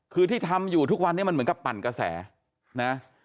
คือที่ทำอยู่ทุกวันนี้มันเหมือนกับปั่นกระแสนะ